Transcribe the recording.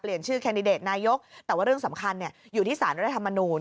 ชื่อแคนดิเดตนายกแต่ว่าเรื่องสำคัญอยู่ที่สารรัฐธรรมนูล